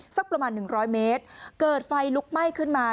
สักประมาณ๑๐๐เมตรเกิดไฟลุกไหม้ขึ้นมา